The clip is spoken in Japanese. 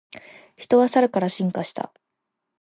人はサルから進化した